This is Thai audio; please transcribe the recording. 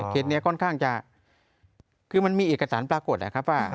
เคสนี้ค่อนข้างจะคือมันมีเอกสารปรากฏนะครับว่า